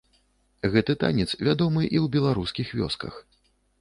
Гэты танец вядомы і ў беларускіх вёсках.